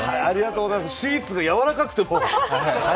シーツがやわらかくて。